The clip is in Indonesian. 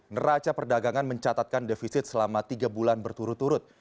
neraca perdagangan mencatatkan defisit selama tiga bulan berturut turut